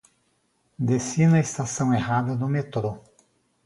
Desci na estação errada do metrô.